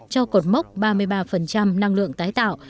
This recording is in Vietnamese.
cho cột mốc ba mươi ba năng lượng tái tạo